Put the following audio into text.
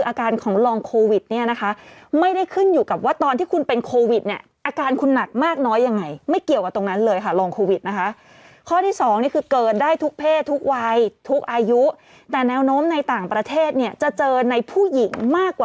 อ๋อใช่เขาบอกคนที่ไปภูมิแพ้จะขึ้นมาอ๋อใช่เขาบอกคนที่ไปภูมิแพ้จะขึ้นมาอ๋อใช่เขาบอกคนที่ไปภูมิแพ้จะขึ้นมาอ๋อใช่เขาบอกคนที่ไปภูมิแพ้จะขึ้นมาอ๋อ